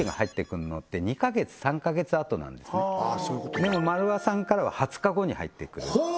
でも丸和さんからは２０日後に入ってくるほお！